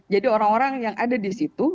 jadi orang orang yang ada di situ